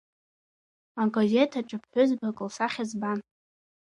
Агазеҭ аҿы ԥҳәызбак лсахьа збан…